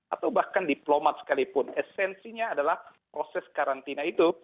atau bahkan diplomat sekalipun esensinya adalah proses karantina itu